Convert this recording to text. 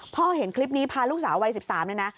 เห็นคลิปนี้พาลูกสาววัย๑๓เลยนะ